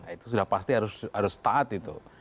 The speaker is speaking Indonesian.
itu sudah pasti harus taat itu